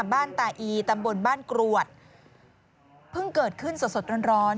บ้านตาอีตำบลบ้านกรวดเพิ่งเกิดขึ้นสดสดร้อนร้อน